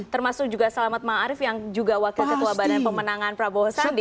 termasuk juga selamat ma'arif yang juga wakil ketua badan pemenangan prabowo sandi